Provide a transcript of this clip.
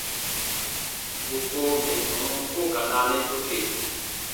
Bù ko mɛ̀ tɔnu u koo ka naanɛ doke.